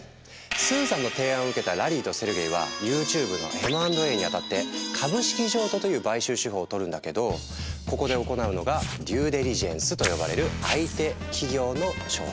スーザンの提案を受けたラリーとセルゲイはＹｏｕＴｕｂｅのＭ＆Ａにあたって株式譲渡という買収手法をとるんだけどここで行うのが「デューデリジェンス」と呼ばれる相手企業の調査。